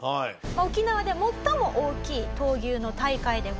沖縄で最も大きい闘牛の大会でございます。